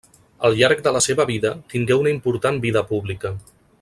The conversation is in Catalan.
Al llarg de la seva vida tingué una important vida pública.